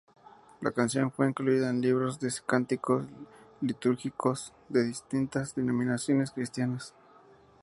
La canción fue incluida en libros de cánticos litúrgicos de distintas denominaciones cristianas.